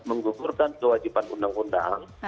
mengusurkan kewajiban undang undang